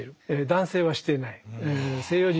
男性はしていない。